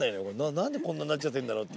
何でこんななっちゃってんだろって。